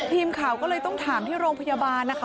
ทีมข่าวก็เลยต้องถามที่โรงพยาบาลนะคะ